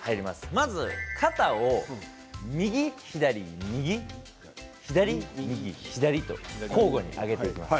まずは肩を右左右左左右左、交互に上げていきます。